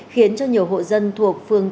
khiến cho nhiều hộ dân thuộc phương